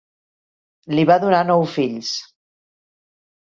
Li va donar nou fills.